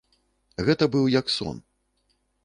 Гэта быў як сон.